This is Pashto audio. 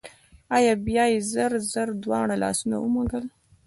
او بيا يې زر زر دواړه لاسونه ومږل